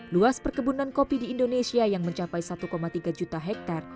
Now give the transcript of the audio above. luas perkebunan kopi di indonesia yang mencapai satu tiga juta hektare